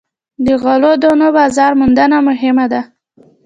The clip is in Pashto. د غلو دانو بازار موندنه مهمه ده.